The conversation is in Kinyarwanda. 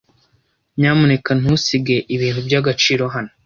Nyamuneka ntusige ibintu by'agaciro hano.